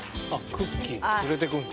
クッキーも連れてくんだ。